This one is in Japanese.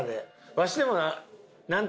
わしでもな。